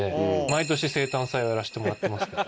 毎年生誕祭をやらせてもらってますね。